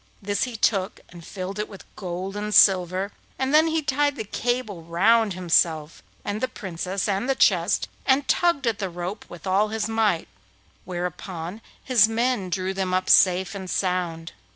This he took and filled it with gold and silver, and then he tied the cable round himself and the Princess and the chest, and tugged at the rope with all his might, whereupon his men drew them up safe and sound.